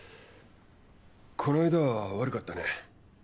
この間は悪かったね。